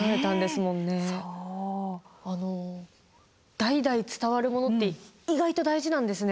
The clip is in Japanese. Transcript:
代々伝わるものって意外と大事なんですね。